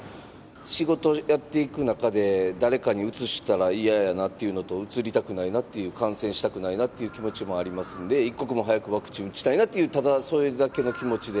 仕事やっていく中で、誰かにうつしたら嫌やなっていうのと、うつりたくないなって、感染したくないなって気持ちもありますんで、一刻も早くワクチン打ちたいなっていう、ただそれだけの気持ちで。